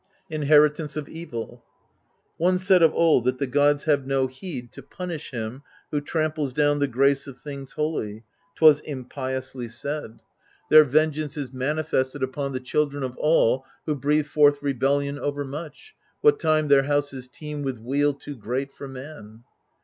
Inheritance of Evil. —" One said of old that the gods have no heed to punish him who tramples down the grace of things holy : 'twas impiously said ! XX THE HOUSE OF ATREUS their vengeance is manifested upon the children of all who breathe forth rebellion overmuch, what time their houses teem with weal too great for man."